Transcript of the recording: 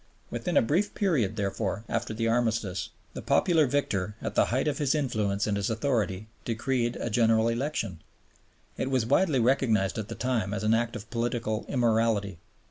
Within a brief period, therefore, after the Armistice, the popular victor, at the height of his influence and his authority, decreed a General Election. It was widely recognized at the time as an act of political immorality.